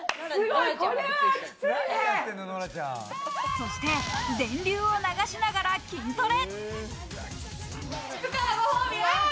そして、電流を流しながら筋トレ。